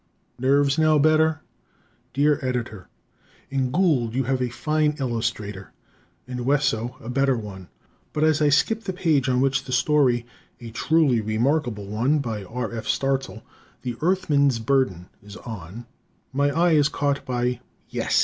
Nerves Now Better? Dear Editor: In Gould you have a fine illustrator; in Wesso a better one, but as I skip the page on which the story, a truly remarkable one by R. F. Starzl, "The Earthman's Burden" is on, my eye is caught by yes!